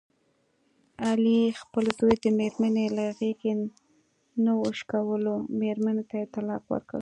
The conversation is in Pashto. علي خپل زوی د مېرمني له غېږې نه وشکولو، مېرمنې ته یې طلاق ورکړ.